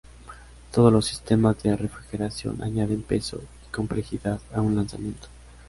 Todos los sistemas de refrigeración añaden peso y complejidad a un lanzamiento.